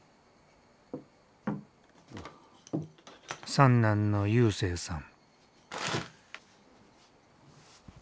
三男の勇征さん。